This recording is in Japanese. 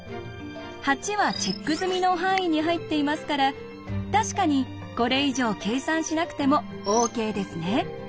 ８はチェック済みの範囲に入っていますから確かにこれ以上計算しなくてもＯＫですね。